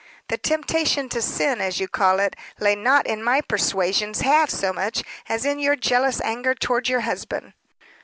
"The temptation to sin, as you call it, lay not in my persuasions half so much as in your jealous anger toward your husband."